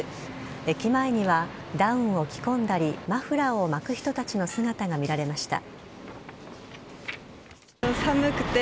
駅前にはダウンを着込んだりマフラーを巻く人たちの姿が見られました。